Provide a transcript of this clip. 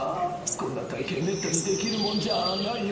こんな体験めったにできるもんじゃあないよ。